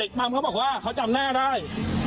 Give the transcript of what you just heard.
มัมเขาบอกว่าเขาจำหน้าได้